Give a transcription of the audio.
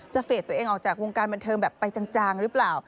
เฟสตัวเองออกจากวงการบันเทิงแบบไปจางหรือเปล่า